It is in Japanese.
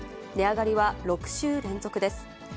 値上がりは６週連続です。